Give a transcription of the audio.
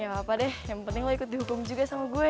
gak apa apa deh yang penting lo ikut dihukum juga sama gue